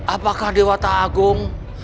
apakah dewata agung